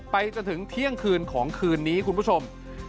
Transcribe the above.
ไปจนถึงเที่ยงคืนของคืนนี้คุณผู้ชม